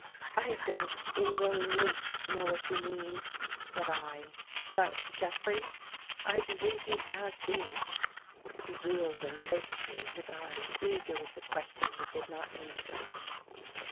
" I don't in the least know what you mean," said I, " but, Jeffrey, I believe he has seen it." He wheeled and faced me, his eyes eager with the question he did not need to ask.